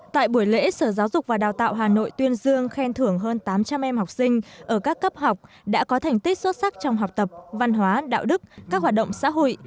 tại buổi lễ sở giáo dục và đào tạo hà nội tuyên dương khen thưởng hơn tám trăm linh em học sinh ở các cấp học đã có thành tích xuất sắc trong học tập văn hóa đạo đức các hoạt động xã hội